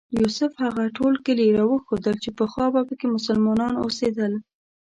یوسف هغه ټول کلي راوښودل چې پخوا په کې مسلمانان اوسېدل.